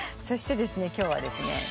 そして今日はですね